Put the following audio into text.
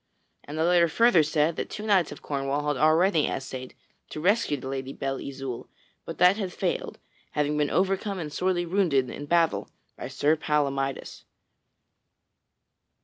And the letter further said that two knights of Cornwall had already essayed to rescue the Lady Belle Isoult, but that they had failed, having been overcome and sorely wounded in battle by Sir Palamydes.